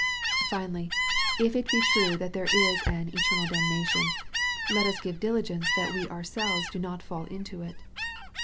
Finally, if it be true that there is an " eternal damna tion," let us give diligence that we ourselves do not fall into it.